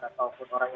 dan ataupun orang yang